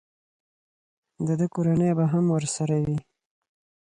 د ده کورنۍ به هم ورسره وي.